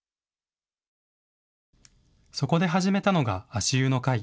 そこで始めたのが足湯の会。